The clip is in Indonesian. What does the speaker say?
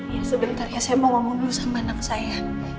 ya sebentar ya saya mau ngomong dulu sama anak saya